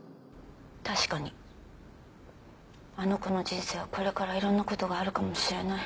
確かにあの子の人生はこれからいろんな事があるかもしれない。